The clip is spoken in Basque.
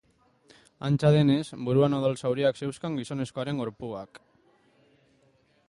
Antza denez, buruan odol zauriak zeuzkan gizonezkoaren gorpuak.